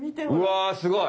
わすごい。